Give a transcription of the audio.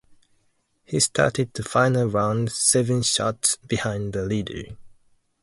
He started the final round seven shots behind the leader.